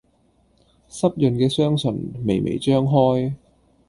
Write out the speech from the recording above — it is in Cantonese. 濕潤嘅雙唇，微微張開